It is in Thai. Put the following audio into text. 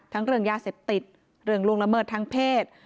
เรื่องยาเสพติดเรื่องล่วงละเมิดทางเพศ